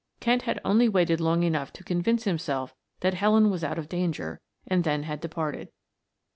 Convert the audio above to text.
Kent had only waited long enough to convince himself that Helen was out of danger, and then had departed.